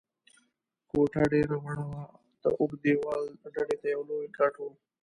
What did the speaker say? کوټه ډېره وړه وه، د اوږد دېوال ډډې ته یو لوی کټ و.